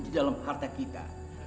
di dalam harta kita